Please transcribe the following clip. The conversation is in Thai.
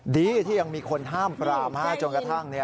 ดีที่ยังมีคนห้ามปรามจนกระทั่ง